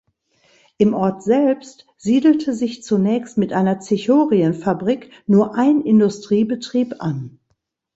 Im Ort selbst siedelte sich zunächst mit einer Zichorienfabrik nur ein Industriebetrieb an.